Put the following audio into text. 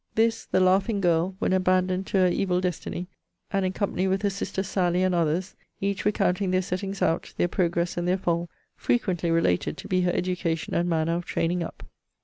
This, the laughing girl, when abandoned to her evil destiny, and in company with her sister Sally, and others, each recounting their settings out, their progress, and their fall, frequently related to be her education and manner of training up.